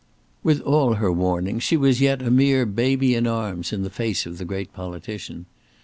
With all her warnings she was yet a mere baby in arms in the face of the great politician.